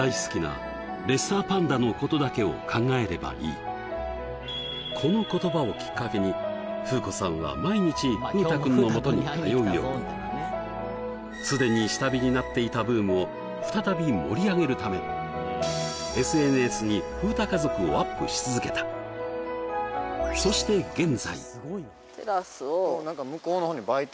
寂しいこの言葉をきっかけに風子さんは毎日風太君のもとに通うようにすでに下火になっていたブームを再び盛り上げるためＳＮＳに風太家族をアップし続けたそしてテラスを何か向こうの方に売店？